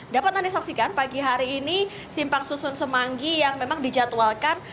dapat anda saksikan pagi hari ini simpang susun semanggi yang memang dijadwalkan